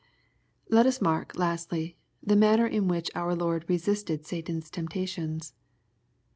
Let us mark lastly, the manner in which our Lord resisted Satan's temptations.